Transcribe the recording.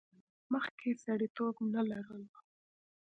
مخکې یې سړیتیوب نه لرلو.